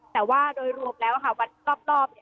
แต่ว่าโดยรวมแล้ววันรอบ